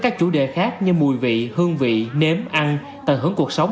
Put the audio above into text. các chủ đề khác như mùi vị hương vị nếm ăn tận hưởng cuộc sống